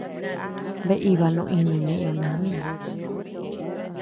Bea íbaa ño-ínuu ñeʼë Ñoo nami.